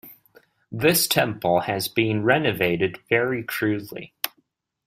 This temple has been renovated very crudely.